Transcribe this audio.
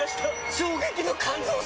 衝撃の感動作！